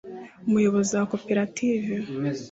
umuyobozi wa koperative we